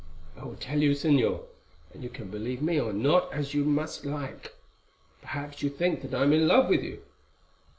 I will tell you, Señor, and you can believe me or not as you like. Perhaps you think that I am in love with you.